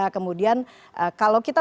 kemudian kalau kita